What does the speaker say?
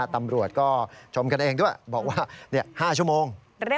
ตำรวจก็ชมกันเองด้วยบอกว่า๕ชั่วโมง